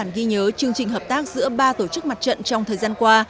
với chương trình hợp tác giữa ba tổ chức mặt trận trong thời gian qua